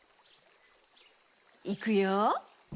いくよ！